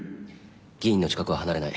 議員の近くを離れない。